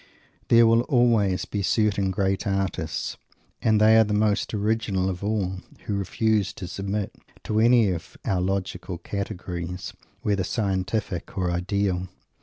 There will always be certain great artists, and they are the most original of all who refuse to submit to any of our logical categories, whether scientific or ideal.